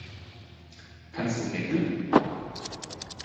Kannst du häkeln?